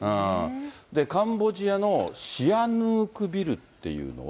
カンボジアのシアヌークビルっていうのは。